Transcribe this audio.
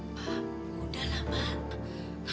pak mudalah pak